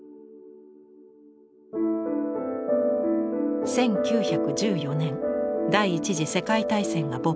１９１４年第一次世界大戦が勃発。